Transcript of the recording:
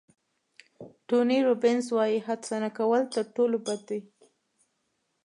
ټوني روبینز وایي هڅه نه کول تر ټولو بد دي.